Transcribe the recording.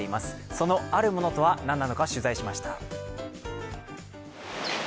そのあるものとは何なのかを取材しました。